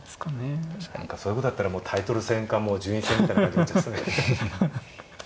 何かそういうことやったらもうタイトル戦かもう順位戦みたいな感じになっちゃいますね。